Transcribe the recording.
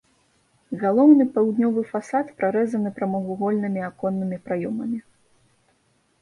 Галоўны паўднёвы фасад прарэзаны прамавугольнымі аконнымі праёмамі.